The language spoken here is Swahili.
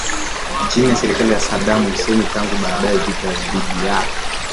chini ya serikali ya Saddam Hussein tangu baadaye vita dhidi ya